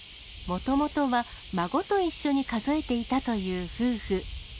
もともとは孫と一緒に数えていたという夫婦。